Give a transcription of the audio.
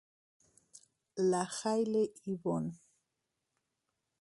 La Jaille-Yvon